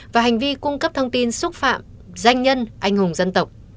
và hành vi cung cấp thông tin xúc phạm danh nhân anh hùng dân tộc